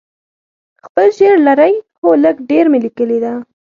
خپل شعر لرئ؟ هو، لږ ډیر می لیکلي ده